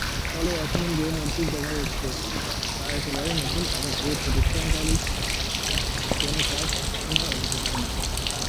ফলে এখন যে মসজিদ দেখা যাচ্ছে তা একেবারেই নতুন এবং এর প্রতিষ্ঠাকালীন কোন কাজ এখন আর অবশিষ্ট নেই।